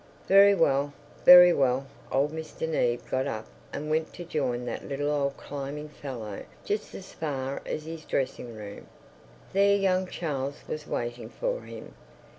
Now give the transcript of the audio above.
"Very well! Very well!" Old Mr. Neave got up and went to join that little old climbing fellow just as far as his dressing room.... There young Charles was waiting for him.